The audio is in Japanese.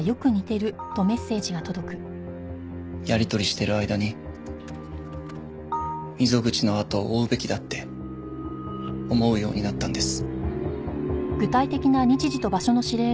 やり取りしてる間に溝口の後を追うべきだって思うようになったんです。